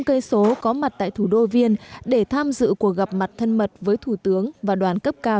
sáu cây số có mặt tại thủ đô viên để tham dự cuộc gặp mặt thân mật với thủ tướng và đoàn cấp cao